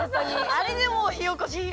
あれでもうひおこしひ